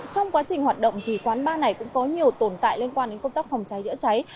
trong quá trình hoạt động thì quán bar này cũng có nhiều tồn tại liên quan đến công tác phòng cháy chữa cháy